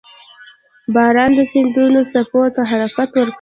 • باران د سیندونو څپو ته حرکت ورکوي.